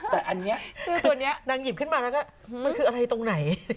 แต่อันนี้ตัวนี้นางหยิบขึ้นมาแล้วก็มันคืออะไรตรงไหน